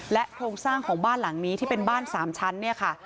โครงสร้างของบ้านหลังนี้ที่เป็นบ้าน๓ชั้นเนี่ยค่ะ